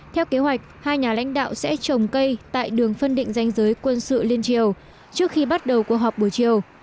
theo kế hoạch hai nhà lãnh đạo sẽ trồng cây tại đường phân định danh giới quân sự liên triều trước khi bắt đầu cuộc họp buổi chiều